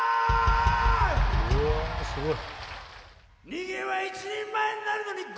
うわすごい！